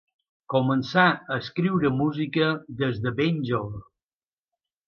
Començà a escriure música des de ben jove.